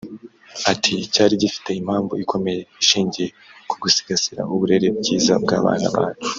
Ati “Cyari gifite impamvu ikomeye ishingiye ku gusigasira uburere bwiza bw’abana bacu